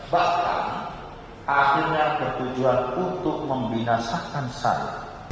bahkan akhirnya bertujuan untuk membinasakan saya